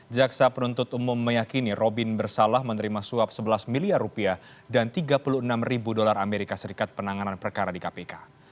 jaksa penuntut umum meyakini robin bersalah menerima suap sebelas miliar rupiah dan tiga puluh enam ribu dolar amerika serikat penanganan perkara di kpk